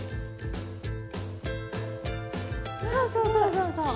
そうそうそうそうそう。